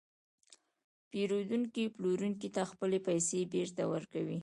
پېرودونکی پلورونکي ته خپلې پیسې بېرته ورکوي